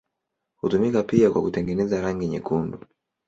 Hutumika pia kwa kutengeneza rangi nyekundu.